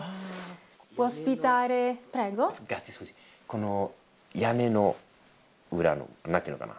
この屋根の裏の何ていうのかな